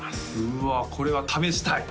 うわこれは試したい！